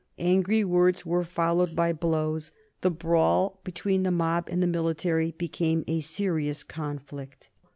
Angry words were followed by blows; the brawl between the mob and the military became a serious conflict.